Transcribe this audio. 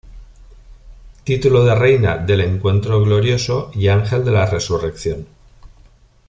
Título de Reina del Encuentro Glorioso y Ángel de la Resurrección.